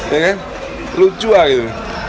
ya kan lucu lah gitu